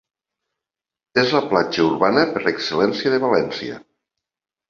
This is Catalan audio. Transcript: És la platja urbana per excel·lència de València.